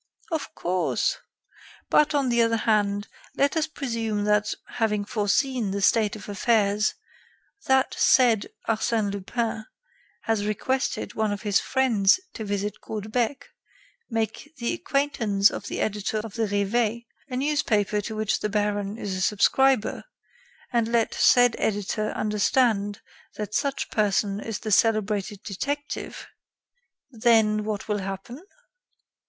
"Of course. But, on the other hand, let us presume that, having foreseen that state of affairs, the said Arsène Lupin has requested one of his friends to visit Caudebec, make the acquaintance of the editor of the 'Réveil,' a newspaper to which the baron is a subscriber, and let said editor understand that such person is the celebrated detective then, what will happen?"